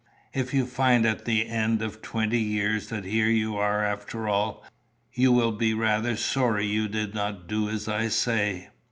If you find at the end of twenty years that here you are after all, you will be rather sorry you did not do as I say."